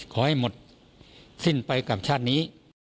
ขอให้หมดสิ้นไปกับชาตินี้